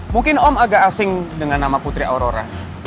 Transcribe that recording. mungkin om agak asing dengan nama putri aurora